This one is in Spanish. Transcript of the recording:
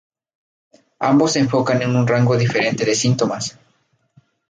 Ambos se enfocan en un rango diferente de síntomas.